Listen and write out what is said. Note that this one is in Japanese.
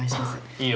いいよ。